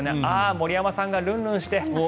森山さんがルンルンして。